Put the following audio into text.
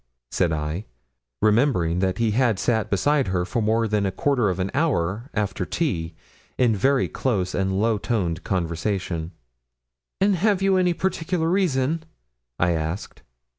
said I, remembering that he had sat beside her for more than a quarter of an hour after tea in very close and low toned conversation; 'and have you any particular reason?' I asked.